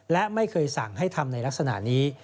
และไม่เคยสั่งให้ทำในลักษณะนี้